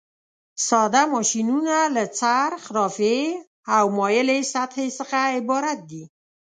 ساده ماشینونه له څرخ، رافعې او مایلې سطحې څخه عبارت دي.